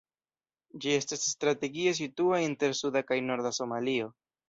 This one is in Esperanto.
Ĝi estas strategie situa inter suda kaj norda Somalio.